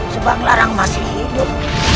subang larang masih hidup